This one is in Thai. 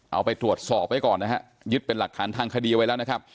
เอาไปตรวจสอบไว้ก่อนนะฮะยึดเป็นหลักฐานทางคดีเอาไว้แล้วนะครับ